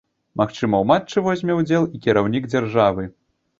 Магчыма, у матчы возьме ўдзел і кіраўнік дзяржавы.